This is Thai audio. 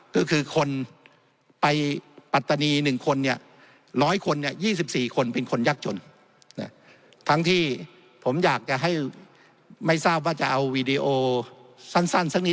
คือคนไปปัตตานี๑คนเนี่ย๐๑๔คนเป็นคนยากจน